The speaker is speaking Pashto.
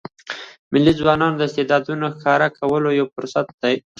مېلې د ځوانانو د استعدادو ښکاره کولو یو فرصت يي.